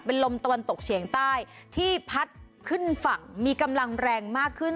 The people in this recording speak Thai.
เป็นลมตะวันตกเฉียงใต้ที่พัดขึ้นฝั่งมีกำลังแรงมากขึ้น